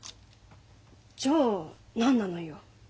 じゃあ何なのよ。